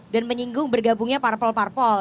dan menyinggung bergabungnya parpol parpol